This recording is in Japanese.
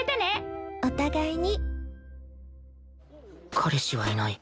彼氏はいない。